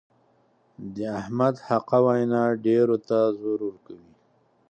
د احمد حقه وینا ډېرو ته زور ورکوي.